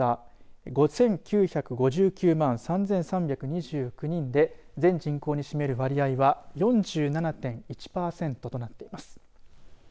５９５９万３３２９人で全人口の占める割合は４７．１パーセントになっています。